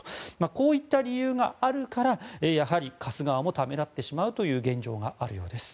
こういった理由があるからやはり貸す側もためらってしまうという現状があるようです。